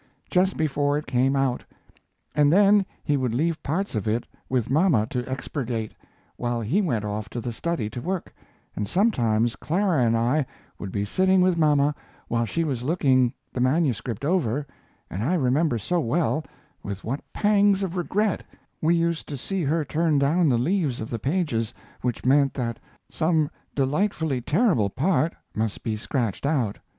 ] just before it came out, and then he would leave parts of it with mama to expurgate, while he went off to the study to work, and sometimes Clara and I would be sitting with mama while she was looking the manuscript over, and I remember so well, with what pangs of regret we used to see her turn down the leaves of the pages, which meant that some delightfully terrible part must be scratched out.